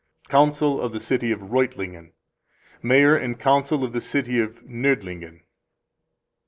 Council of the City of Reutlingen. Mayor and Council of the City of Noerdlingen.